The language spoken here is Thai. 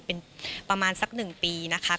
เป็นประมาณสัก๑ปีนะคะ